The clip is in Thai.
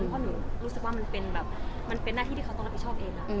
เพราะหนูรู้สึกว่ามันเป็นแบบมันเป็นหน้าที่ที่เขาต้องรับผิดชอบเอง